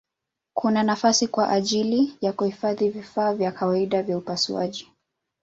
Kuna nafasi kwa ajili ya kuhifadhi vifaa vya kawaida vya upasuaji.